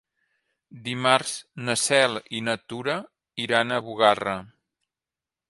Dimarts na Cel i na Tura iran a Bugarra.